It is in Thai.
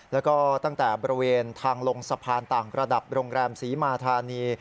แล้วก็ตั้งแต่บริเวณทางลงสะพานต่างระดับโรงแรมศรีมาธานี